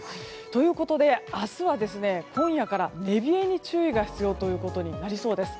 ということで、明日は今夜から寝冷えに注意が必要となりそうです。